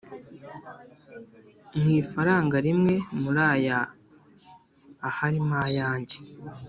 mu ifaranga rimwe mu raya aharimo ayajye